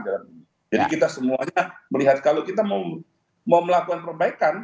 jadi kita semuanya melihat kalau kita mau melakukan perbaikan